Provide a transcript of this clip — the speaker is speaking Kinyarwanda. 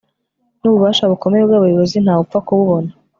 Nububasha bukomeye bwabayobozi ntawupfa kububona